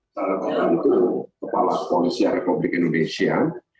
sangat membantu kepala polisi republik indonesia